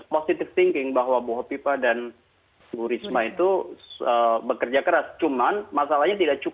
positive thinking bahwa bu hopipa dan bu risma itu bekerja keras cuman masalahnya tidak cukup